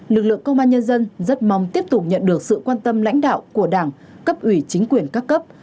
lực lượng công an nhân dân rất mong tiếp tục nhận được sự quan tâm lãnh đạo của đảng cấp ủy chính quyền các cấp